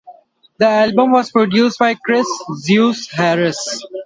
The album was produced by Chris "Zeuss" Harris.